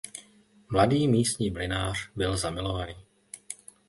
Mladý místní mlynář byl zamilovaný.